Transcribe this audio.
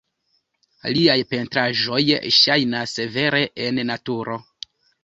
Liaj pentraĵoj ŝajnas vere en naturo.